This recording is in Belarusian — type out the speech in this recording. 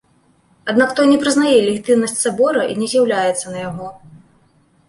Аднак той не прызнае легітымнасць сабора і не з'яўляецца на яго.